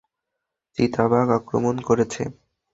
চিতাবাঘ আক্রমণ করেছে?